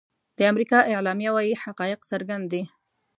د امریکا اعلامیه وايي حقایق څرګند دي.